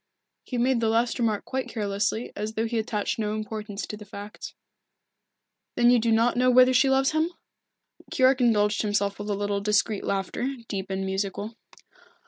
He made the last remark quite carelessly, as though he attached no importance to the fact. "Then you do not know whether she loves him?" Keyork indulged himself with a little discreet laughter, deep and musical.